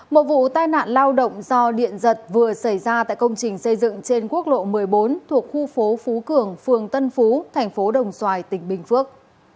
một vụ tai nạn lao động do điện giật vừa xảy ra tại công trình xây dựng trên quốc lộ một mươi bốn thuộc khu phố phú cường phường tân phú thành phố đồng xoài tỉnh bình phước